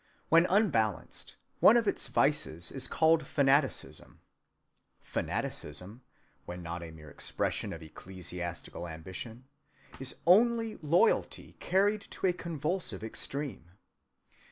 When unbalanced, one of its vices is called Fanaticism. Fanaticism (when not a mere expression of ecclesiastical ambition) is only loyalty carried to a convulsive extreme.